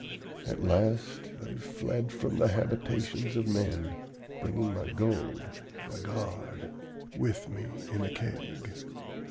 "'At last I fled from the habitations of men, bringing my gold, my god, with me in a Keg.